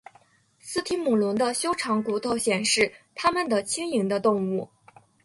似提姆龙的修长骨头显示它们的轻盈的动物。